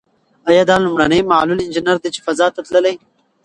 ایا دا لومړنۍ معلول انجنیر ده چې فضا ته تللې؟